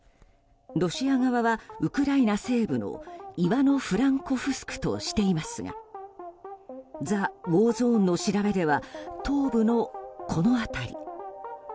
ロシア側はウクライナ西部のイワノ・フランコフスクとしていますがザ・ウォー・ゾーンの調べでは東部のこの辺り。